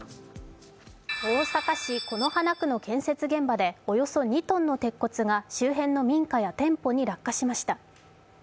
大阪市此花区の建設現場でおよそ２ｔの鉄骨が周辺の民家や店舗に落下しました。